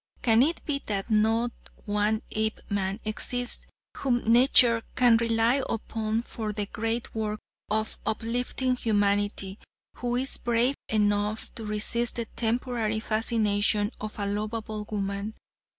Can it be that not one Apeman exists whom nature can rely upon for the great work of uplifting humanity, who is brave enough to resist the temporary fascination of a lovable woman?